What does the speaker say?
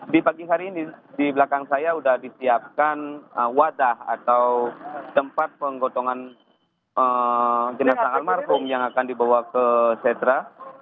di pagi hari ini di belakang saya sudah disiapkan wadah atau tempat penggotongan jenazah almarhum yang akan dibawa ke setra